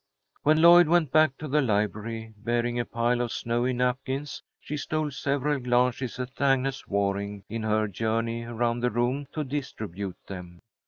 When Lloyd went back to the library, bearing a pile of snowy napkins, she stole several glances at Agnes Waring in her journey around the room to distribute them.